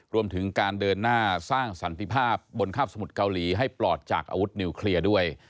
รวมถึงการเดินหน้าสร้างสันติภาพบนคาบสมุทรเกาหลีให้ปลอดจากอาวุธนิวเคลียร์ด้วย